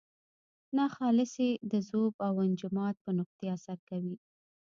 ناخالصې د ذوب او انجماد په نقطې اثر کوي.